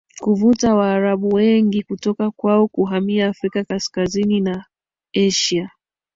kuvuta Waarabu wengi kutoka kwao kuhamia Afrika Kaskazini na Asia